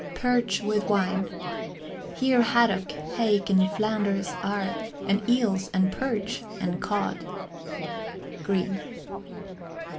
PERCH WITH WINE. Here haddock, hake, and flounders are, And eels, and perch, and cod. GREEN.